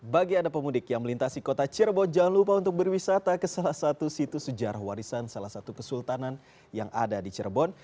bagi anda pemudik yang melintasi kota cirebon jangan lupa untuk berwisata ke salah satu situs sejarah warisan salah satu kesultanan yang ada di cirebon